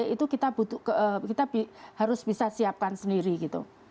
itu kita harus bisa siapkan sendiri gitu